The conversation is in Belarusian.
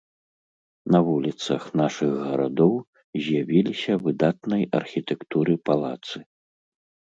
На вуліцах нашых гарадоў з'явіліся выдатнай архітэктуры палацы.